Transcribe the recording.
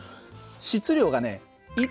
質量がね